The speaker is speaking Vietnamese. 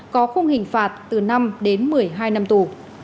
có khung hình phạt từ năm đến một mươi hai năm tù